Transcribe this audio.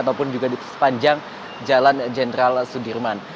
ataupun juga di sepanjang jalan jenderal sudirman